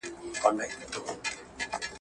د پردېس جانان کاغذه تر هر توري دي جارېږم.